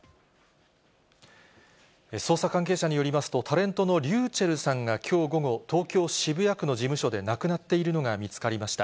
捜査関係者によりますと、タレントのｒｙｕｃｈｅｌｌさんがきょう午後、東京・渋谷区の事務所で亡くなっているのが見つかりました。